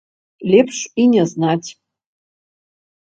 Лепш і не знаць.